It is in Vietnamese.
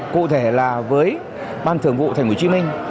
cụ thể là với ban thượng vụ thành hồ chí minh